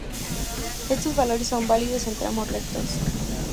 Estos valores son válidos en tramos rectos.